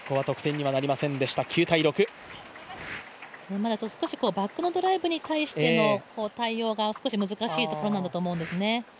まだバックのドライブに対しての対応が少し難しいところなんだと思うんですね。